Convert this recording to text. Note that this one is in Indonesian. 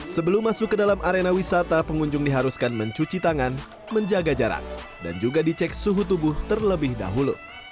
sebelum masuk ke dalam arena wisata pengunjung diharuskan mencuci tangan menjaga jarak dan juga dicek suhu tubuh terlebih dahulu